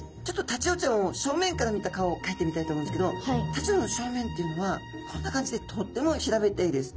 タチウオちゃんを正面から見た顔をかいてみたいと思うんですけどタチウオちゃんの正面っていうのはこんな感じでとっても平べったいです。